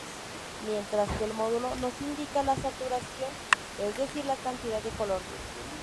Mientras que el módulo nos indica la saturación, es decir la cantidad de color.